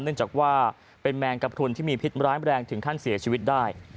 เนื่องจากว่าเป็นแมงกระพรุนที่มีพิษร้ายแรงถึงขั้นเสียชีวิตได้